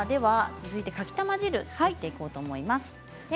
続いて、かきたま汁を作っていきます。